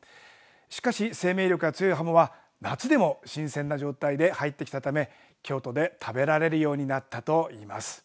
しかし生命力が強いハモは夏でも新鮮な状態で入ってきたため京都で食べられるようになったといいます。